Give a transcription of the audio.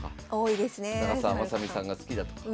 長澤まさみさんが好きだとか。